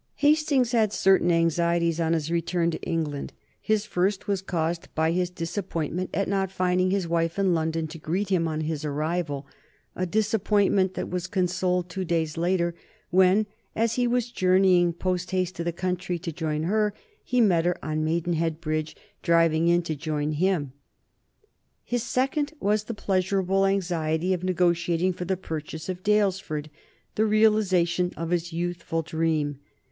Hastings had certain anxieties on his return to England, His first was caused by his disappointment at not finding his wife in London to greet him on his arrival, a disappointment that was consoled two days later when, as he was journeying post haste to the country to join her, he met her on Maidenhead Bridge driving in to join him. His second was the pleasurable anxiety of negotiating for the purchase of Daylesford, the realization of his youthful dream.